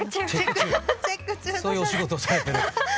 そういうお仕事をされてる？